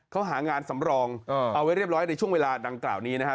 เขาหางานสำรองเอาไว้เรียบร้อยในช่วงเวลาดังกล่าวนี้นะฮะ